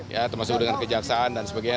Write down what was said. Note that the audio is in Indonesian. ya termasuk dengan kejaksaan dan sebagainya